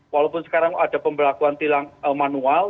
walaupun sekarang ada pembelakuan tilang manual